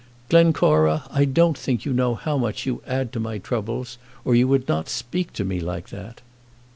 "Glencora, I don't think you know how much you add to my troubles, or you would not speak to me like that."